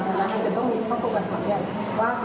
ขักหัวแม่มีปัญหาเฮียะก็คือด้วยความสงสัยด้วยความสายกรู